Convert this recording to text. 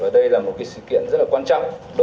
đây là một sự kiện rất quan trọng